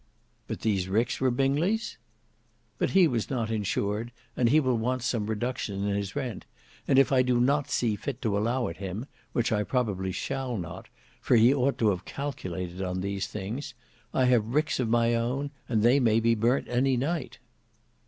"But these ricks were Bingley's?" "But he was not insured, and he will want some reduction in his rent, and if I do not see fit to allow it him, which I probably shall not, for he ought to have calculated on these things, I have ricks of my own, and they may be burnt any night."